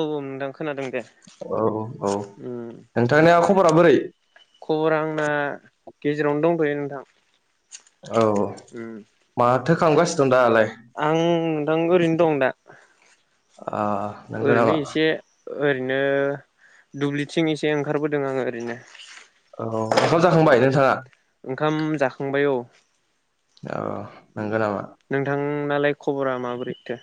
औ औ नोंथां खोनादों दे औ औ औ उम नोंथांनिया खबरा बोरै? खबरा आंना गेजेरावनो दंथ'यो नोंथां। औ उम माथो खालामगासिनो दं दालाय आं नोंथां ओरैनो दं दा। ओ नंगौ ओरैनो नामा? एसे ओरैनो दुब्लिथिं एसे ओंखारबोदों आङो ओरैनो औ ओंखाम जाखांबाय नोंथाङा? ओंखाम जाखांबाय औ औ नंगौ नामा? नालाय खबरा माबोरैथो?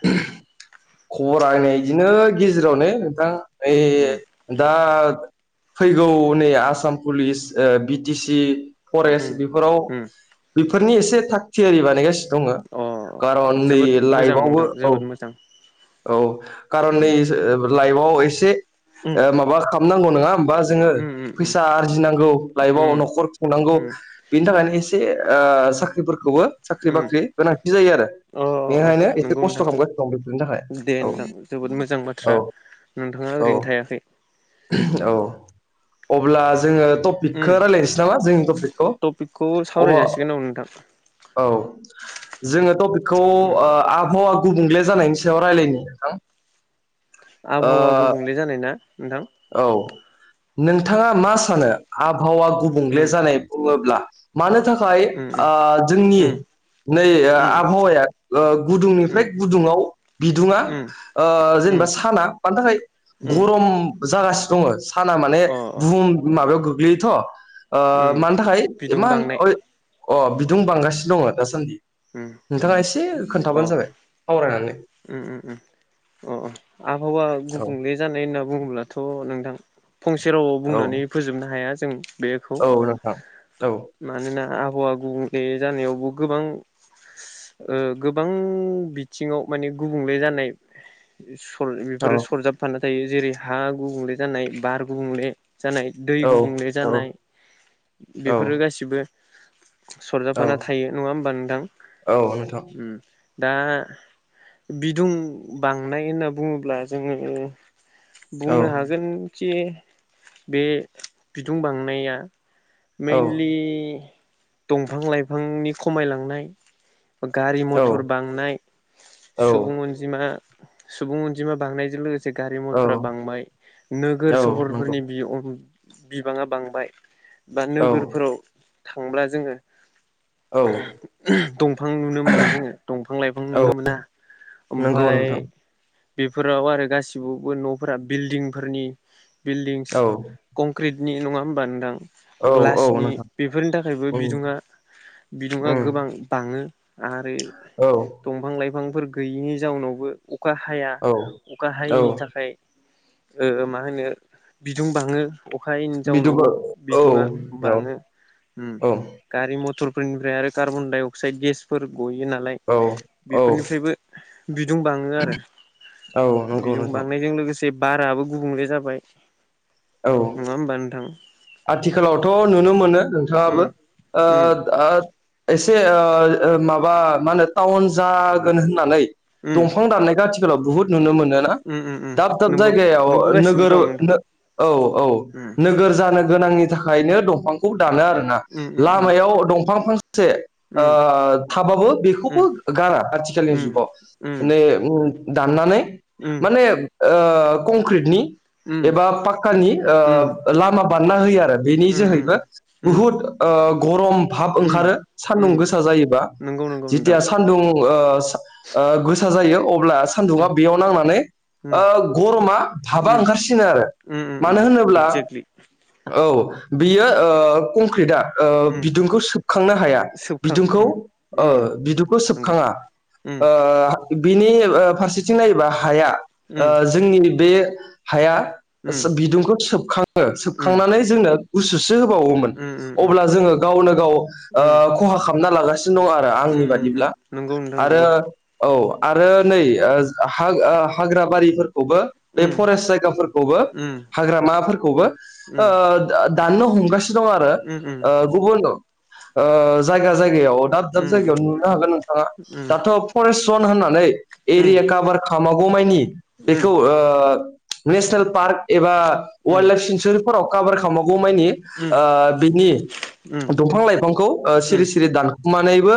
खबरा आंना बिदिनो गेजेरावनो नोंथां ओइ उम दा फैगौ नै आसाम पुलिस ओ बि टि सि उम फरेस्ट बेफोराव उम बेफोरनि एसे थाग थियारि बानायगासिनो दङो अ खारन नै जोबोद मोजां लाइफआवबो नोंथां औ जोबोद मोजां। औ कारन नै उम लाइफआव एसे उम माबा खालामनांगौ नङा बा जोङो उम उम फैसा आरजिनांगौ लाइफआव उम न'खर खुंनांगौ उम बिनि थाखायनो एसे ओ साख्रिफोर खौबो साख्रि उम बाख्रि गोनांथि जायो आरो अ अ बेनिखायनो एसे नंगौ खस्थ' नोंथां खालामगासिनो दं बेफोरनि थाखाय। दे औ नोंथां जोबोद मोजां औ बाथ्रा नोंथाङा औ ओरैनो थायाखै। उम औ अब्ला जोङो उम टपिकखौ रायजलायनोसै नामा जोंनि टपिकखौ टपिकखौ अब सावराय जासिगोन औ नोंथां औ जोङो टपिकखौ उम ओ आबहावा गुबुंले जानायनि सायाव रायलायनि नोंथां। आबहावा गुबुंले जानाय ना? नोंथां औ नोंथाङा मा सानो आबहावा गुबुंले उम जानाय बुङोब्ला? मानो थाखाय उम ओ जोंनि उम नै ओ उम आबहावाया ओ उम गुदुंनिफ्राय गुदुङाव बिदुङा उम ओ जे नेबा उम साना मानो थाखाय उम गरम जागासिनो दङ' साना माने अ अ बुहुम माबायाव गोग्लैयोथ' ओ उम मानो थाखाय बिदुं इमान बांनाय ओइ अ बिदुं बांगासिनो दंङ' दासान्दि उम नोंथाङा एसे अ खोन्थाबानो जाबाय सावरायनानै उम उम उम अ अ आबहावा औ गुबुंले जानाय होनना बुङोब्ला थ' नोंथां फंसे रावाव औ बुंनानै फोजोबनो हाया जों बेखौ औ नोंथां औ मानोना आबहावा गुबुंले जानायावबो गोबां ओ गोबां बिथिङाव माने गुबुंले जानाय सर औ बेफोरो सरजाबफाना जेरै हा गुबुंले जानाय बार गुबुंले जानाय दै औ गुबुंले औ जानाय बेफोरो औ गासिबो सरजाफाना औ थायो नङा होमबा नोंथां औ नोंथां उम दा बिदुं बांनाय होनना बुङोब्ला जोङो औ बुंनो हागोन जे बे बिदुं बांनाया औ मेनलि दंफां लाइफांनि खमायलांनाय गारि औ मथर बांनाय औ सुबुं अनजिमा सुबुं अनजिमा बांनायजों लोगोसे गारि औ मथरा बांबाय नोगोर औ नंगौ सहरफोरनि बिबाङा बांबाय बा औ नोगोरफोराव थांब्ला जोङो औ दंफां नुनो मोनला जोङो दंफां लाइफां औ नुनो मोना नंगौ ओमफाय नोंथां बेफोराव आरो गासिबावबो न'फोरा बिल्डिंफोरनि बिल्डिंस औ कंक्रिट नि नङा होमबा नोंथां औ औ ग्लासनि नोंथां बेफोरनि थाखायबो उम बिदुङा बिदुङा उम गोबां बाङो आरो औ दंफां लाइफांफोर गैयिनि जाउनावबो अखा हाया औ अखा औ हायैनि थाखाय ओ मा होनो बिदुं बाङो अखा जाउनावबो बिदिबो औ बिदुङा औ बाङो ओम गारि मथर फोरनिफ्राय आरो कार्बन डाइ अक्साइड गेसफोर गयो नालाय औ औ बेफोरनिफ्रायबो बिदुं बाङो आरो औ नंगौ बिदुं नोंथां बांनायजों लोगोसे बाराबो गुबुंले जाबाय औ नङा होमबा नोंथां आथिखालावथ' नुनो मोनो नोंथाङाबो उम ओ उम ओ एसे ओ ओ माबा मा होनो टाउन जागोन होननानै उम दंफां दाननायखौ आथिखालाव बुहुत नुनो मोनोना उम उम उम दाब दाब नंगौ जायगायाव नुबोगासिनो नोगोर दं नोंथां औ औ उम नोगोर जानो गोनांनि थाखायनो दंफांखौ दानो आरोना उम उम लामायाव दंफां फां से उम ओ थाबाबो उम बेखौबो गारा आथिखालनि उम जुगाव उम उम नै ओम दाननानै उम माने ओ कंक्रिटनि उम एबा पाक्कानि उम उम ओ लामा बान्ना होयो आरो बेनि उम जोहैबा उम बुहुत ओ गरम भाब उम ओंखारो सान्दुं उम गोसा जायोबा नंगौ नंगौ नोंथां जिथिया सानदुं ओ ओ गोसा जायो अब्ला सान्दुंङा उम बेयाव नांनानै उम ओ गरमा थाबा उम ओंखारसिगोन आरो उम मानो उम होनोब्ला एक्जेक्टलि औ बियो ओ कंक्रिटआ ओ उम बिदुंखौ सोबखांनो हाया सोबखां बिदुंखौ उम ओ उम बिदुंखौ नंगौ सोबखाङा उम ओ बिनि फारसेथिं नायोबा हाया ओ उम जोंनि बे हाया उम उम बिदुंखौ सोबखाङो उम सोबखांनानै जोंनो गुसु होबावोमोन उम उम अब्ला जोङो गावनो गाव उम उम ओ खहा खालामना लागासि नो दं आरो आंनि उम बादिब्ला उम नंगौ नोंथां आरो नंगौ औ आरो नै ओ हा ओ हाग्रा बारिफोर खौबो उम फरेस्ट जायगाफोरखौबो उम हाग्रामा फोरखौबो उम ओ दाननो हमगासिनो दं आरो उम उम उम ओ गुबुन ओ जायगा जाय गायाव दाब-दाब उम जायगायावनो नुनो होगोन नोंथाङा। दाथ' परेष्ट ज'न होननानै एरिया काभार खा लामागौमानि बेखौ ओ नेसनेल पार्क एबा वाइल्ड लाइफ सेन्सुरि काभार खालामागौ मानि ओ बिनि दंफां-लाइफांखौ ओ सिरि सिरि दानखुमानायबो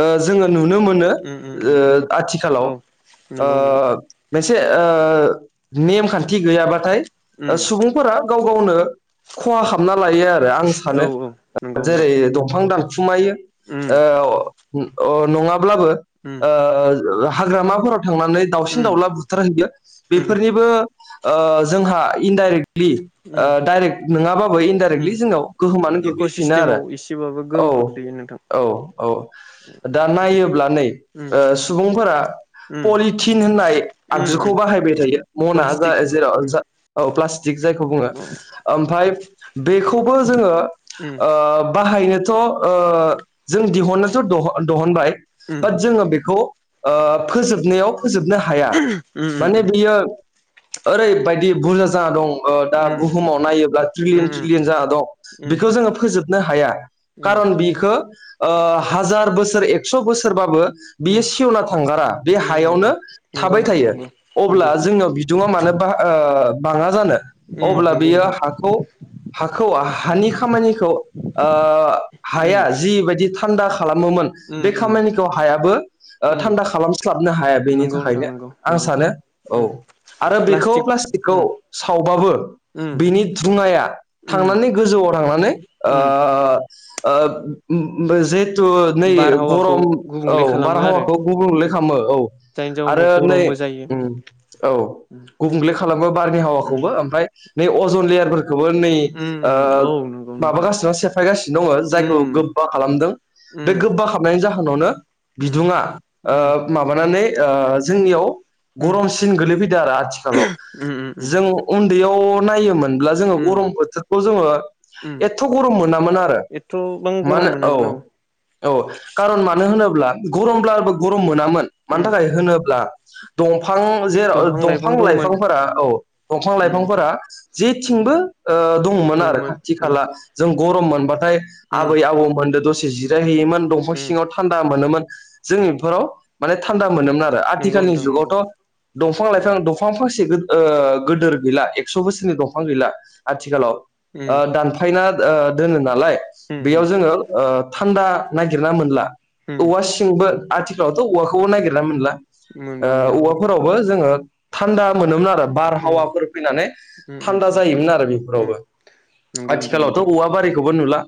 ओ उम जोङो नुनो मोनो। उम उम ओ आथिखालाव औ ओ नंगौ नोंथां मोनसे ओ ने-खान्थि गैयाबाथाय ओ उम सुबुंफोरा गाव गावनो खहा खामना लायो आरो आं औ सानो औ नंगौ नोंथां जेरै-दंफां दान खुमायो उम ओ अ नङाब्लाबो उम ओ हाग्रामाफोराव थांनानै उम दाावसिन-दाउला बुथारहैयो उम बेफोरनिबो ओ जोंहा इनडाइरेक्टलि ओ उम डाइरेक्ट नङाबाबो इनडाइरेक्टलि उम जोंनाव गोहोमानो इक' गोग्लैफिनो आरो। सिस्टेमाव एसेबाबो औ गोहोम खोख्लैयो नोंथां औ औ दा नायोब्ला नै उम ओ सुबुंफोरा उम पलिथिन होननाय उम आगजुखौ उम बाहायबाय थायो मना जा प्लास्टिक जेराव उम जा ओ प्ला स्टिक जायखौ बुङो। ओमफ्राय बेखौबो जोङो उम ओ बाहायनो थ' ओ जों दिहुननोथ' दहनबाय उम बाट जोङो बेखौ ओ फोजोबनायाव फोजोबनो हाया उम माने बियो ओरैबायदि बुरजा जाना दं ओ दा उम बुहुमाव नायोब्ला उम ट्रिलियन ट्रिलियन जा दं बेखौ जोङो फोजोबनो हाया। खारन बिखौ ओ हाजार बोसोर एक्स' बोसोरबाबो बियो सेवना थांगारा बे हायावनो उम उम नंगौ थाबाय नोंथां थायो नंगौ नंगौ अब्ला जोंनाव बिदुङा मानो बहा बाङा जानो? उम अब्ला नंगौ बियो नोंथां हाखौ हाखौ हानि खामानिखौ ओ हाया उम जिबायदि थान्दा खालामोमोन बे उम उम खामानिखौ हायाबो ओ उम थान्दा खालामस्लाबनो हाया। बेनि नंगौ नोंथां थाखायनो नंगौ आं नंगौ सानो औ उम आरो बेखौ प्लास्टिक प्लाष्टिकखौ उम सावबाबो उम बिनि धुंया उम थांनानै गोजौआव थांनानै ओ उम ओ बे जे थु नै बारहावाखौ गरम औ गुबुंले खालामो आरो बारहावाखौ गुबुंले उम खालामो। औ, जायनि जाउनाव आरो नै गरमबो जायो उम औ गुबुंगले खालामो बारनि उम हावाखौबो ओमफाय बे अजन लेयारफोर खौबो नै उम ओ उम औ नंगौ नोंथां माबागासिनो सेफायगासिनो दङ उम जायखौ उम गोब्बा खालामदों बे उम गोब्बा खालामनायनि जाहो सानावनो उम बिदुुंङा उम ओ माबानानै ओ जोंनियाव उम गरमसिन गोलैफैदों आरो आथिखालाव। उम उम जों उन्दैयाव नायोमोन ब्ला जोङो उम गरम बोथोरखौ जोङो उम एथ' गरम मोनामोन आरो। एथ'बां गरम मानो औ मोनामोन औ खारन मानो होनो ब्ला गरम ब्लाबो गरम मोनामोन मानो उम थाखाय होनोब्ला दं फां जेराव दंफां लाइफां दंमोन दंफां-लाइफांफोरा औ उम दंफां-लाइफांफोरा जेथिंबो ओ दंमोन आरो खाथि-खाला जों गरम मोनबाथाय उम आबै-आबौ मोनजों दसे जिराय हैयोमोन दंफां उम सिङाव थान्दा मोनोमोन। जों बेफोराव माने थान्दा मोनोमोन आरो नंगौ आथिखालनि नोंथां नंगौ जुगावथ' औ दंफां-लाइफां, दंफां फांसे ओ गोदोर गैला एक्स' बोसोरनि दंफां गैला आथिखालाव ओ उम दानफायना ओ दोनो नालाय उम उम बेयाव जोङो ओ थान्दा नागिरना मोनला। उम औवा सिंबो आथिखालावथ' औवाखौबो नागिरना मोनला ओ मोनबांला औ औवाफोरावबो जोङो थान्दा मोनोमोन आरो। बार उम हावाफोरफोर फैनानै उम उम थान्दा उम जायोमोन आरो बेफोरावबो उम नंगौ नोंथां आथिखालावथ' नंगौ औवा बारिखौबो नुला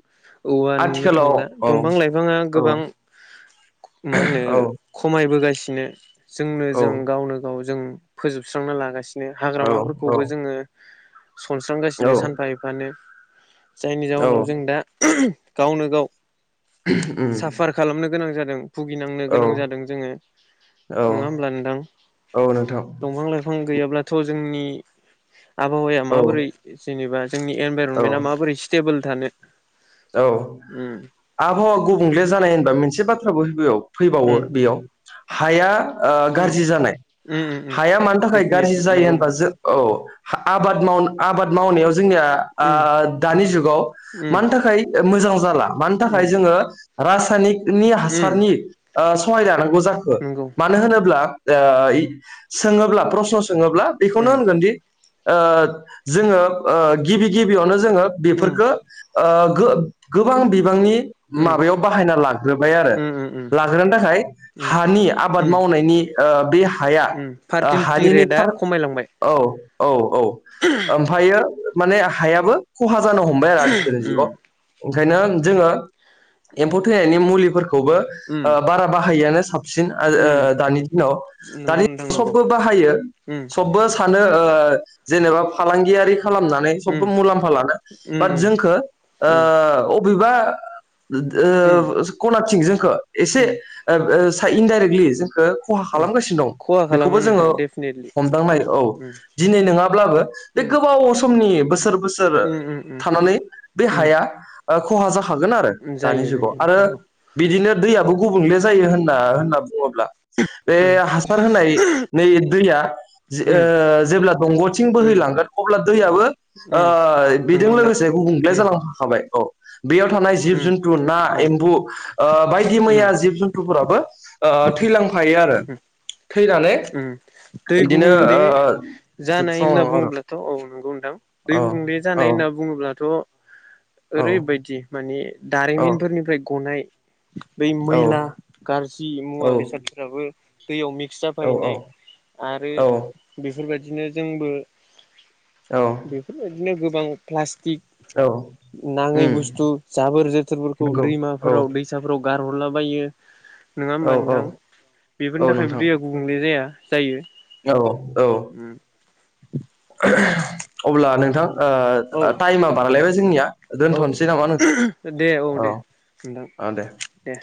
औवा नुनो आथिखालाव थांला औ दंफां लाइफाङा औ गोबां मा होनो औ खमाय बोगासिनो जोंनो औ जों गावनो गाव जों फोजोबस्रांना लागासिनो औ हाग्रामाफोरखौबो जोङो औ सनस्रांगासिनो सानफा एफानो जायनि औ जाउनाव जों दा गावनो गाव उम साफार खालामनो गोनां जादों भुगिनांनो औ गोनां जादों जोङो औ नङा होमब्ला नोंथां औ नोंथां दंफां लाइफां गैयाब्लाथ' जोंनि आबहावाया औ माबोरै जेनेबा जोंनि औ एनभाइरनमेन्टआ माबोरै स्टेबोल थानो औ उम आबहावा गुबुंले जानाय होनबा मोनसे बाथ्राखो गिबियाव फैबावो उम बेयाव हाया ओ उम गाज्रि जानाय उम उम उम हाया मानि थाखाय गाज्रि डेफिनेटलि जायो नंगौ होनबा नोंथां औ आबाद माव आबाद मावनायाव जोंनिया उम दानि जुगाव उम मानि थाखाय मोजां जाला मानि उम थाखाय जोङो रासायनिकनि उम हासारनि ओ सहाय लानांगौ जाखो नंगौ मानो होनोब्ला ओ सोङोब्ला प्रसन' सोंङोब्ला बेखौनो उम होनगोनदि ओ जोंङो ओ गिबि गिबियावनो जोङो उम उम बेफोरखौ ओ गो-गोबां बिबांनि उम माबायाव बाहायना लाग्रोबाय आरो उम उम लाग्रोनो थाखाय हानि आबाद उम मावनायनि ओ बे हाया उम ओ फार्टिलिटि हानिनो नै रेटआ फार खमायलांबाय औ औ औ ओमफ्रायो माने हायाबो खहा जानो हमबाय आरो आथिखाल उम जुगाव ओंखायनो जोङो एम्फौ थैनायनि मुलिफोरखौबो उम ओ बारा बाहायआनो बसिन उम ओ दानि दिनाव नंगौ दानि नोंथां नंगौ सबबो बाहायो उम सब ओ जेनेबा फालांगियारि खालामनानै सब उम मुलाम्फा लानो बाट उम उम जोंखौ उम ओ अबेबा उम ओ कनाथिं जोंखौ एसे उम इनडाइरेक्टलि खहा उम खालामगासिनो दं खहा खालामो बेखौबो जोङो नोंथां डेफिनेटलि हमदांनायो औ उम दिनै नङाब्लाबो बे गोबाव समनि बोसोर बोसोर उम उम उम उम थानानै बे उम हाया खहा जा खागोन आरो उम दानि जायो जायो जुगाव आरो नोंथां औ बिदिनो दैयाबबो गुबुंले जायो होनना होनना बुङोब्ला बे उम हासार होनाय नै दैया ओ उम जेब्ला दंगलथिं उम बोहैला गोन अब्ला दैयाबो उम नंगौ बेजों नोंथां लोगोसे गुबुंग्ले उम जालांफाखाबाय औ बेयाव थानाय जिब उम जुथु ना उम एम्बु ओ बायदि उम मैया जिब जुथुफोराबो ओ थैलांफायो आरो उम थैनानै दै बिदिनो गुबले ओ जानाय होनना जोबस्रांलाङो आरो बुङोब्लाथ' औ नंगौ नथां‌ दै गुबुंले औ जानाय होनना बुङोब्लाथ' ओरैबायदि माने औ दारिमिनफोरनिफ्राय गनाय बै औ मैला गाजज्रि मुवा औ बेसादफ्राबो दैयाव मि फैनाय आरो औ बेफोरबायदिनो जोंबो औ बेफोरबायदिनो गोबां प्लासटि औ तिग उम नाङै बुस्थु जाबोर जोथोरफोरखौ नंगौ औ दैमाफोराव दैसाफोराव गारहरलाबायो नङा होमबा औ औ नोंथां बेफोरनि औ थाखायबो नोंथां दैया गुबुंले जाया जायो औ औ अब्ला नोंथां औ ओ टाइमा बारलायबाय जोंनिया औ दोनथ'नोसै नामा नोंखौ दे औ दे नोंथां दे